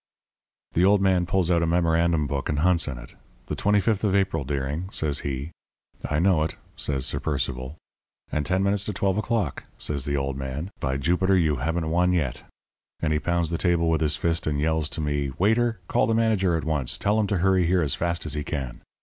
"The old man pulls out a memorandum book and hunts in it. 'The 25th of April, Deering,' says he. 'I know it,' says Sir Percival. 'And ten minutes to twelve o'clock,' says the old man. 'By Jupiter! you haven't won yet.' And he pounds the table with his fist and yells to me: 'Waiter, call the manager at once tell him to hurry here as fast as he can.'